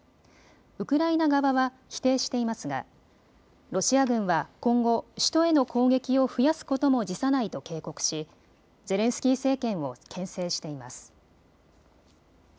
ウクライナ側は否定していますがロシア軍は今後、首都への攻撃を増やすことも辞さないと警告しゼレンスキー政権をけん制しています。